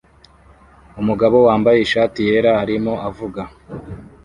Umugabo wambaye ishati yera arimo avuga